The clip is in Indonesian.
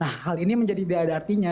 nah ini menjadi biaya dari artinya